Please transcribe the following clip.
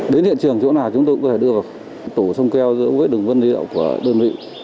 đến hiện trường chỗ nào chúng tôi cũng có thể đưa vào tủ sông keo dấu vết đường vân di động của đơn vị